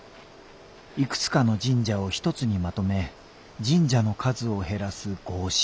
いくつかの神社を一つにまとめ神社の数を減らす合祀。